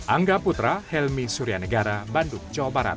angga putra helmi suryanegara bandung jawa barat